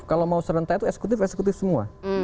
kalau mau serentak itu eksekutif eksekutif semua